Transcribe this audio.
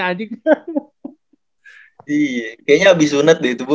kayaknya abis sunat deh itu bu